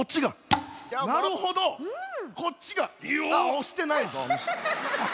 おしてないぞ。